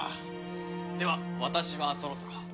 では私はそろそろ。